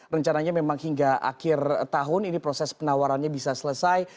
rencananya memang hingga akhir tahun ini proses penawarannya bisa selesai